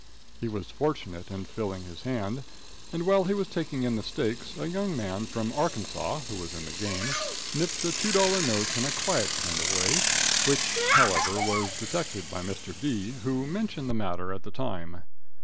He was fortunate in "filling his hand," and while he was taking in the stakes, a young man from Arkansas, who was in the game, nipped a two dollar note in a quiet kind of way, which, however, was detected by Mr. V., who mentioned the matter at the time.